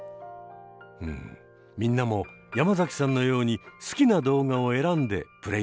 うんみんなも山崎さんのように好きな動画を選んでプレイリストを作ってみよう。